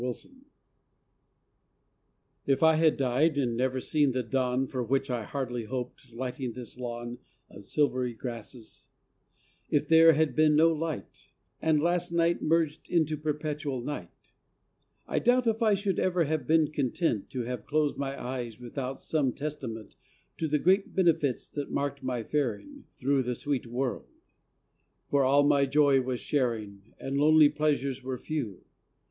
TESTAMENT If I had died, and never seen the dawn For which I hardly hoped, lighting this lawn Of silvery grasses; if there had been no light, And last night merged into perpetual night; I doubt if I should ever have been content To have closed my eyes without some testament To the great benefits that marked my faring Through the sweet world; for all my joy was sharing And lonely pleasures were few.